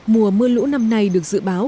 mùa mưa lũ năm nay được dự báo